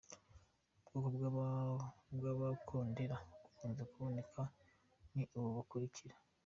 Ubwoko bw’Amakondera akunze kuboneka ni ubu bukurikira :.